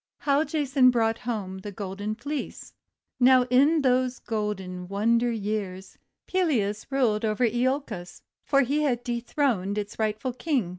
HOW JASON BROUGHT HOME THE GOLDEN FLEECE Now, in those golden wonder days, Pelias ruled over lolcos, for he had dethroned its rightful King.